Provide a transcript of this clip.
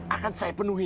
akan saya penuhi